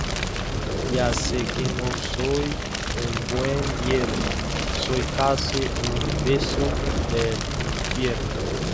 Ya sé que no soy un buen yerno, soy casi un beso del infierno